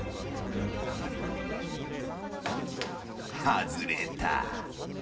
［外れた］